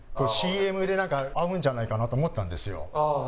ＣＭでなんか合うんじゃないかなと思ったんですよ。